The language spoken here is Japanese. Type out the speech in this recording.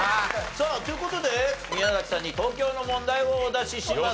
さあという事で宮崎さんに東京の問題をお出しします。